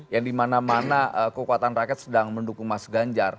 yang dimana mana kekuatan rakyat sedang mendukung mas ganjar